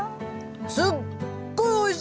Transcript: すっごいおいしい！